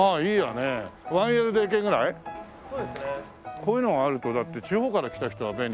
こういうのがあるとだって地方から来た人は便利だよな。